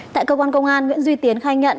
tại cơ quan công an nguyễn duy tiến khai nhận